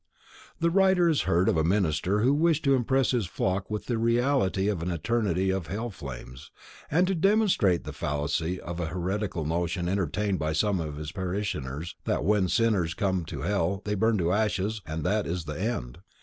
The writer has heard of a minister who wished to impress his "flock" with the reality of an eternity of hell flames, and to demonstrate the fallacy of a heretical notion entertained by some of his parishioners that when sinners come to hell they burn to ashes and that is the end.